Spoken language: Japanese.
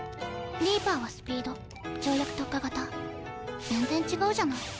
リーパーはスピード跳躍特化型全然違うじゃない。